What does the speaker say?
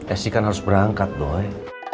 acing kan harus berangkat doi